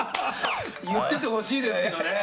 言っててほしいですけどね。